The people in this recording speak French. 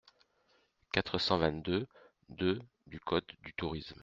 quatre cent vingt-deux-deux du code du tourisme.